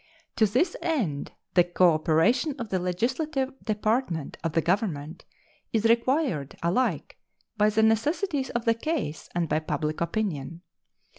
To this end the cooperation of the legislative department of the Government is required alike by the necessities of the case and by public opinion.